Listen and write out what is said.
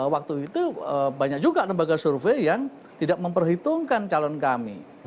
waktu itu banyak juga lembaga survei yang tidak memperhitungkan calon kami